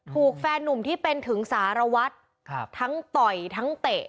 แฟนนุ่มที่เป็นถึงสารวัตรทั้งต่อยทั้งเตะ